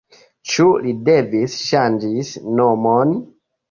Ĉu li devis ŝanĝi nomon?